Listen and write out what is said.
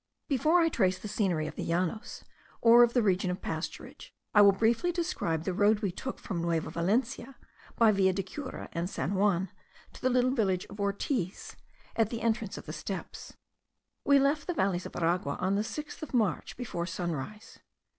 Before I trace the scenery of the Llanos, or of the region of pasturage, I will briefly describe the road we took from Nueva Valencia, by Villa de Cura and San Juan, to the little village of Ortiz, at the entrance of the steppes. We left the valleys of Aragua on the 6th of March before sunrise.